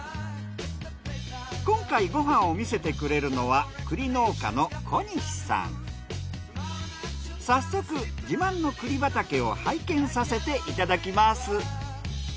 今回ご飯を見せてくれるのは栗農家の早速自慢の栗畑を拝見させていただきます。